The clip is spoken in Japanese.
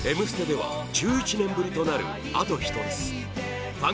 「Ｍステ」では１１年ぶりとなる「あとひとつ」